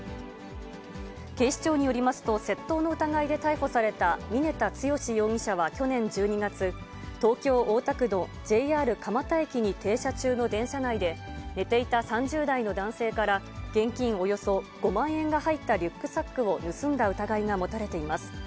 警視庁によりますと、窃盗の疑いで逮捕された、峯田剛容疑者は去年１２月、東京・大田区のＪＲ蒲田駅に停車中の電車内で、寝ていた３０代の男性から、現金およそ５万円が入ったリュックサックを盗んだ疑いが持たれています。